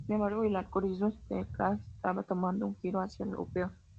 Sin embargo, el alcoholismo Steve Clark estaba tomando un giro hacia lo peor.